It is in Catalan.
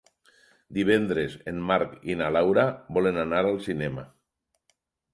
Divendres en Marc i na Laura volen anar al cinema.